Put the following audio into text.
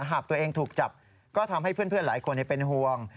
หากตัวเองถูกจับก็ทำให้เพื่อนหลายคนเป็นห่วง